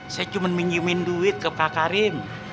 saya cuma minjimin duit ke pak karim